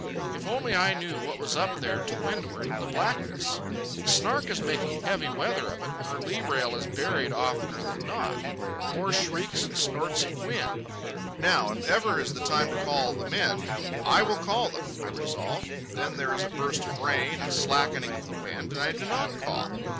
If only I knew what was up there to windward in the blackness! The Snark is making heavy weather of it, and her lee rail is buried oftener than not. More shrieks and snorts of wind. Now, if ever, is the time to call the men. I will call them, I resolve. Then there is a burst of rain, a slackening of the wind, and I do not call.